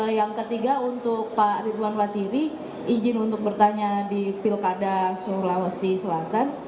yang ketiga untuk pak ridwan watiri izin untuk bertanya di pilkada sulawesi selatan